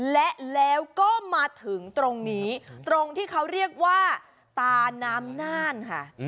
และแล้วก็มาถึงตรงนี้ตรงที่เขาเรียกว่าตาน้ำน่านค่ะ